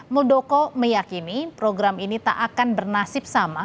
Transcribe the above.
muldoko meyakini program ini tak akan bernasib sama